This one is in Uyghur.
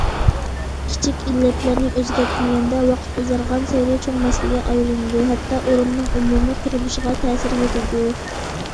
كىچىك ئىللەتلەرنى ئۆزگەرتمىگەندە، ۋاقىت ئۇزارغانسېرى چوڭ مەسىلىگە ئايلىنىدۇ، ھەتتا ئورۇننىڭ ئومۇمىي قۇرۇلۇشىغا تەسىر يېتىدۇ.